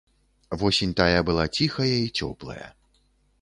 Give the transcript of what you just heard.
Восень тая была ціхая і цёплая.